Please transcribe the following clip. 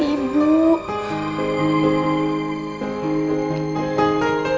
tunggu bentar ya ibu